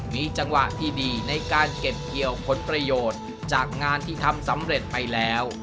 มีจังหวะที่ดีในการเก็บเกี่ยวผลประโยชน์จากงานที่ทำสำเร็จไปแล้ว